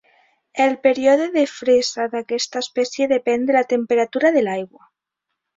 El període de fresa d'aquesta espècie depèn de la temperatura de l'aigua.